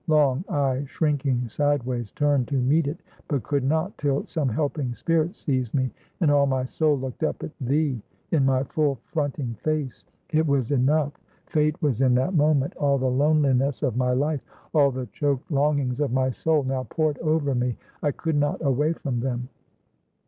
Long, I, shrinking, sideways turned to meet it, but could not; till some helping spirit seized me, and all my soul looked up at thee in my full fronting face. It was enough. Fate was in that moment. All the loneliness of my life, all the choked longings of my soul, now poured over me. I could not away from them.